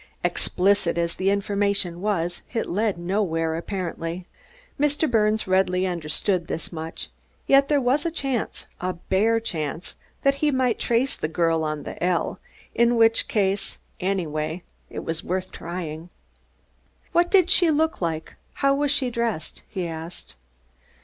Explicit as the information was it led nowhere, apparently. Mr. Birnes readily understood this much, yet there was a chance a bare chance that he might trace the girl on the 'L,' in which case anyway, it was worth trying. "What did she look like? How was she dressed?" he asked.